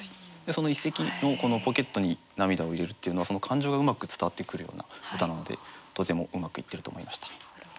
その一席のこの「ポケットに涙を入れる」っていうのはその感情がうまく伝わってくるような歌なのでとてもうまくいってると思いました。